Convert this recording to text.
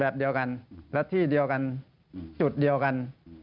แบบเดียวกันและที่เดียวกันจุดเดียวกัน